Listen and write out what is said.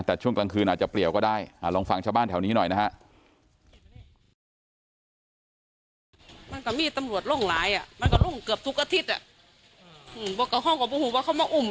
แต่ช่วงกลางคืนอาจจะเปลี่ยวก็ได้ลองฟังชาวบ้านแถวนี้หน่อยนะฮะ